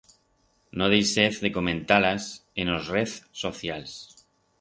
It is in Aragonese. No deixez de comentar-las en os rez socials.